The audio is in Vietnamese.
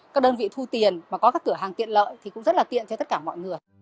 các đơn vị thu tiền và có các cửa hàng tiện lợi thì cũng rất là tiện cho tất cả mọi người